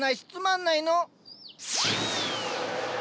ん？